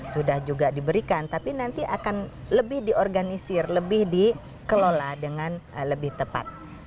sudah juga diberikan tapi nanti akan lebih diorganisir lebih dikelola dengan lebih tepat